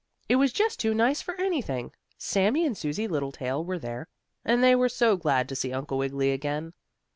It was just too nice for anything! Sammie and Susie Littletail were there, and they were so glad to see Uncle Wiggily again.